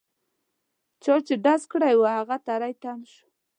چا چې ډز کړی وو هغه تري تم شو.